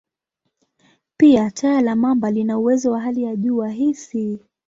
Pia, taya la mamba lina uwezo wa hali ya juu wa hisi.